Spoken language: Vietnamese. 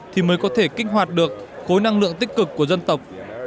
thì mới có thể kích hoạt được khối năng lượng tích cực của dân tộc